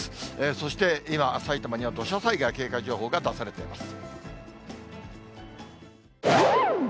そして、今、埼玉には土砂災害警戒情報が出されています。